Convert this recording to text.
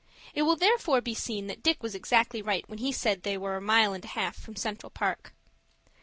It will therefore be seen that Dick was exactly right, when he said they were a mile and a half from Central Park.